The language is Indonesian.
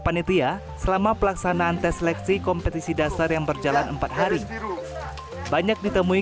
panitia selama pelaksanaan tes seleksi kompetisi dasar yang berjalan empat hari banyak ditemui